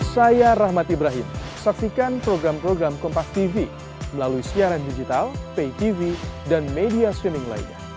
saya rahmat ibrahim saksikan program program kompastv melalui siaran digital paytv dan media streaming lainnya